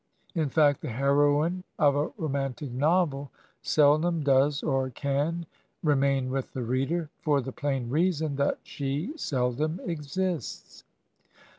In fact, the heroine of a romantic novel seldom does, or can, remain with the reader, for the plain reason that she seldom exists.